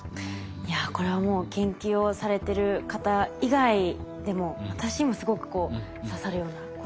いやこれはもう研究をされてる方以外でも私にもすごくこう刺さるような言葉でした。